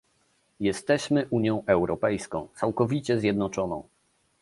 Jesteśmy Unią Europejską, całkowicie zjednoczoną